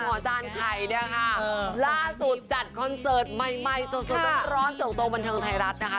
ส่วนของอาจารย์ไข่นี่ฮะล่าสุดจัดคอนเซิร์ตใหม่สกตรงบรรทางไทยรัฐนะคะ